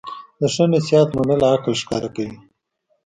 د ښه نصیحت منل عقل ښکاره کوي.